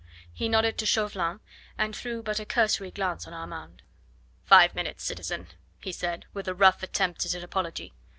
He nodded to Chauvelin, and threw but a cursory glance on Armand. "Five minutes, citizen," he said, with a rough attempt at an apology.